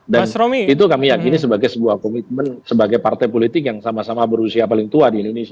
dan itu kami yakini sebagai sebuah komitmen sebagai partai politik yang sama sama berusia paling tua di indonesia